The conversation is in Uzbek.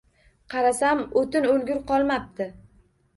Qarasam, o‘tin o‘lgur qolmabdi.